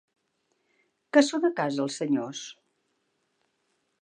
Que són a casa, els senyors?